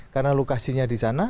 karena lokasinya di sana